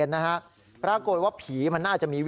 สายลูกไว้อย่าใส่